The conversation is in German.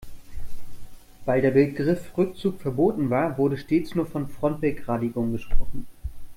Weil der Begriff Rückzug verboten war, wurde stets nur von Frontbegradigung gesprochen.